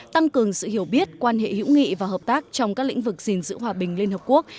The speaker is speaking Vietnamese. tăng cường sự hiểu biết quan hệ hữu nghị và hợp tác trong các lĩnh vực gìn giữ hòa bình liên hợp quốc